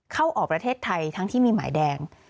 เข้าออกประเทศไทยทั้งที่มีหมายแดง